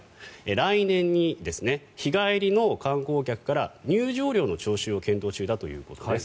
来年に日帰りの観光客から入場料の徴収を検討中だということです。